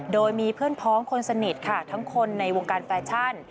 โดยมีเพื่อนพ้องคนสนิทค่ะทั้งคนในวงการแฟชั่น